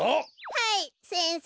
はい先生。